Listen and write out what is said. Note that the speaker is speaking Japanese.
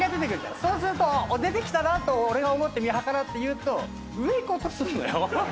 そうすると出てきたなと俺が思って見計らって言うと上いこうとすんのよ。